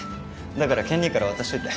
だから健兄から渡しておいて。